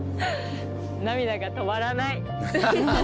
涙が止まらない。